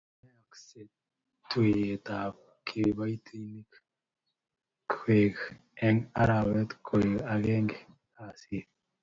mayaaksei tuyetab kiboitinik kwekeny Eng' arawet ko agenge kasi